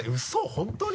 本当に？